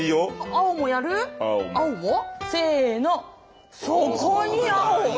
青も？せの。